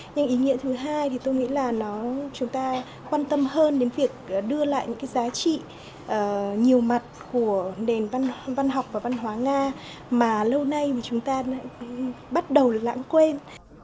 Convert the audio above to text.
nhưng ý nghĩa thứ hai thì tôi nghĩ là nó chúng ta quan tâm hơn đến việc đưa lại những cái giá trị nhiều mặt của nền văn học và văn hóa nga mà lâu nay mà chúng ta bắt đầu lãng quên